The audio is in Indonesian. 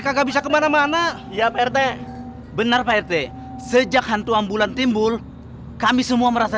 kakak bisa kemana mana ya rt benar pak rt sejak hantu ambulan timbul kami semua merasa